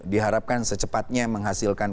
diharapkan secepatnya menghasilkan